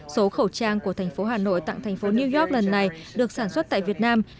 số khẩu trang của thành phố hà nội tặng thành phố new york lần này được sản xuất tại việt nam